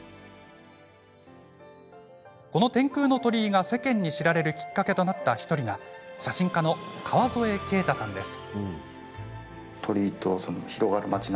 この天空の鳥居が世間に知られるきっかけとなった１人が写真家の川添敬太さんです。